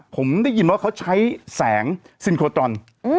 ผมได้ยินว่าเขาใช้แสงซินโคตรอน